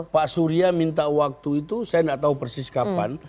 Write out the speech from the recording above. pak surya minta waktu itu saya tidak tahu persis kapan